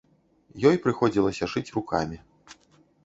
Ёй прыходзілася шыць рукамі.